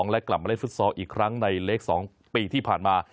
และกลับมาเล่นฟุตซอลอีกครั้งในเล็ก๒ปีที่ผ่านมา